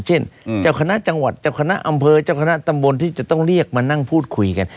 เช่นเจ้าคณะจังหวัดเจ้าคณะอำเภอเจ้าคณะตำบลที่จะต้องเรียกมานั่งพูดคุยกัน